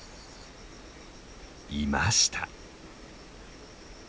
いました。